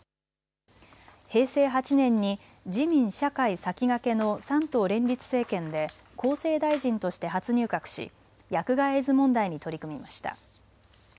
平成８年に自民・社会・さきがけの３党連立政権で厚生大臣として初入閣し、薬害エイズ問題に取り組みました。